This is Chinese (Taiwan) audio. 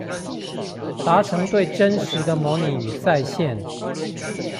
達成對真實的模擬與再現